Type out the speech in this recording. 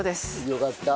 よかった。